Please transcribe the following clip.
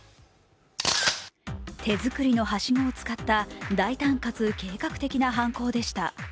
手作りのはしごを使った大胆かつ計画的な犯行でした。